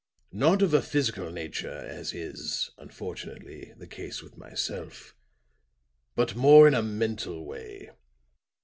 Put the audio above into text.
Not of a physical nature, as is, unfortunately the case with myself, but more in a mental way.